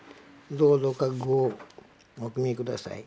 どうぞ覚悟をお決め下さい。